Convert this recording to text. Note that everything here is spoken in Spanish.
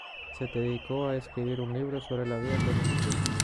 Se dedicó a escribir un libro sobre la vida de Jesucristo.